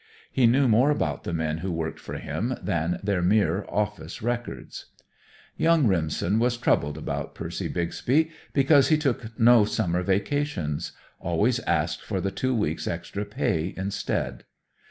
He knew more about the men who worked for him than their mere office records. Young Remsen was troubled about Percy Bixby because he took no summer vacations always asked for the two weeks' extra pay instead.